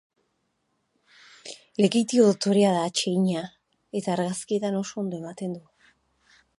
Lekeitio dotorea da, atsegina, eta argazkietan oso ondo ematen du.